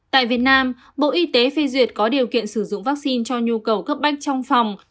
tại việt nam bộ y tế phê duyệt có điều kiện sử dụng vaccine cho nhu cầu cấp bách trong phòng